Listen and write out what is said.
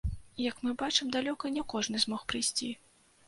Як мы бачым, далёка не кожны змог прыйсці.